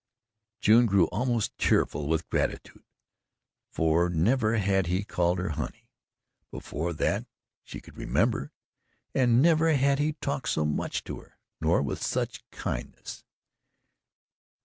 June grew almost tearful with gratitude, for never had he called her "honey" before that she could remember, and never had he talked so much to her, nor with so much kindness.